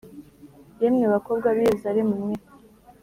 Yemwe bakobwa b’i Yerusalemu mwe